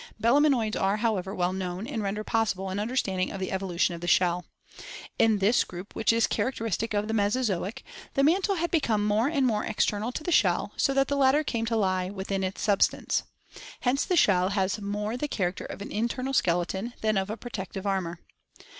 Belemnoids are, however, well known and render possible an under standing of the evolution of the shell. In this group, which is char 434 ORGANIC EVOLUTION acteristic of the Mesozoic, the mantle had become more and more external to the shell so that the latter came to lie P° within Us substance. Hence the shell A has mote the character of an internal skeleton than of a protective armor.